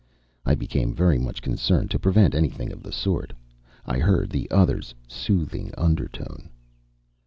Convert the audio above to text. I became very much concerned to prevent anything of the sort. I heard the other's soothing undertone.